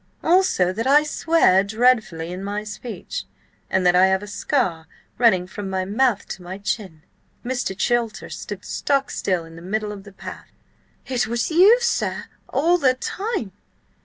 "Also that I swear dreadfully in my speech, and that I have a scar running from my mouth to my chin." Mr. Chilter stood stock still in the middle of the path. "It was you, sir, all the time?